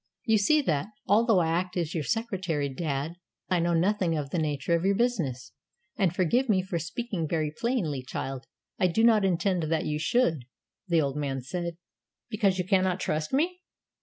"You see that, although I act as your secretary, dad, I know nothing of the nature of your business." "And forgive me for speaking very plainly, child, I do not intend that you should," the old man said. "Because you cannot trust me!"